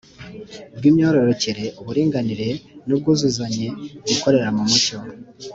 bw’imyororokere, uburinganire n’ubwuzuzanye, gukorera mu mucyo